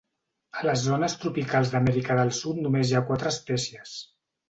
A les zones tropicals d'Amèrica del Sud només hi ha quatre espècies.